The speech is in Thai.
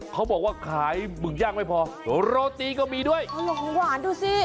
เขาบอกว่าขายหมึกย่างไม่พอโรตีก็มีด้วยของหวานดูสิ